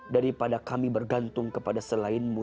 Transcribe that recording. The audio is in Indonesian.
daripada kami bergantung kepada selainmu